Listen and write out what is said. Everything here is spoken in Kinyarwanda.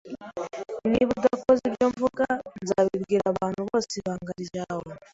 Niba udakoze ibyo mvuga, nzabwira abantu bose ibanga ryawe.